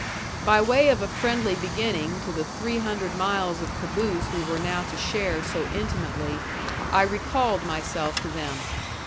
By way of a friendly beginning to the three hundred miles of caboose we were now to share so intimately, I recalled myself to them.